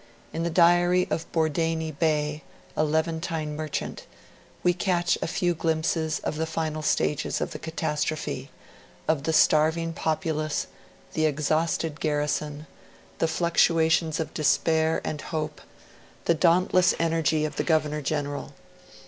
In the diary of Bordeini Bey, a Levantine merchant, we catch a few glimpses of the final stages of the catastrophe of the starving populace, the exhausted garrison, the fluctuations of despair and hope, the dauntless energy of the Governor General.